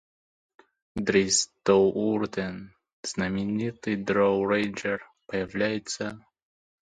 Дриззт До'Урден, знаменитый дроу-рейнджер, появляется